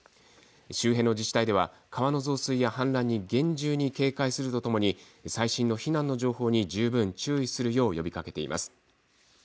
周辺の自治体では川の増水や氾濫に厳重に警戒するとともに最新の避難の情報に十分注意するよう呼びかけています。